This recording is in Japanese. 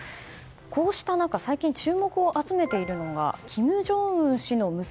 こうした中最近注目を集めているのが金正恩氏の娘